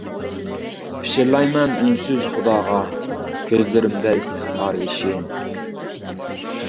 پىچىرلايمەن ئۈنسىز خۇداغا، كۆزلىرىمدە ئىستىغپار يېشى.